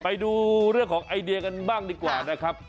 ไปดูเรื่องของไอเดียกันบ้างดีกว่านะครับ